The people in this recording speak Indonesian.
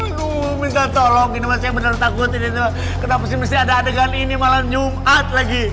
aduh minta tolong ini masih beneran takut ini kenapa sih mesti ada adegan ini malah nyumat lagi